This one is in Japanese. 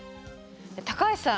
高橋さん